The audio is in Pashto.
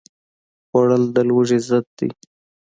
خوړل د لوږې ضد دی